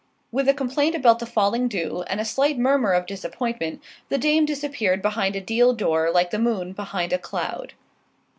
With a complaint about the falling dew, and a slight murmur of disappointment, the dame disappeared behind a deal door like the moon behind a cloud.